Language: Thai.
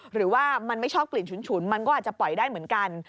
หรือว่ามันไม่ชอบกลิ่นฉุนมันก็อาจจะปล่อยได้เหมือนกัน